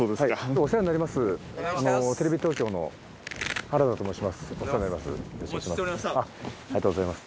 お世話になります。